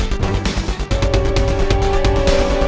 gak ada apa apa